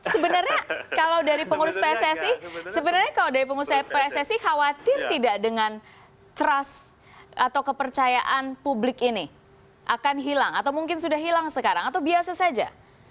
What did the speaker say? sebenarnya kalau dari pengurus pssi khawatir tidak dengan trust atau kepercayaan publik ini akan hilang atau mungkin sudah hilang sekarang atau biasa saja